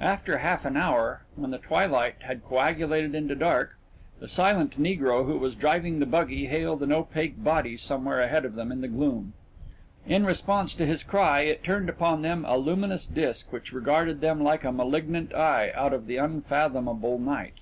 After half an hour, when the twilight had coagulated into dark, the silent negro who was driving the buggy hailed an opaque body somewhere ahead of them in the gloom. In response to his cry, it turned upon them a luminous disc which regarded them like a malignant eye out of the unfathomable night.